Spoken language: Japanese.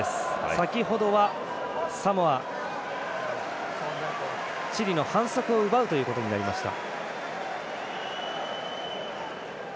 先ほどは、サモアチリの反則を奪うということになりました。